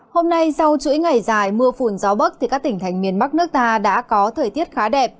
hôm nay sau chuỗi ngày dài mưa phùn gió bắc các tỉnh thành miền bắc nước ta đã có thời tiết khá đẹp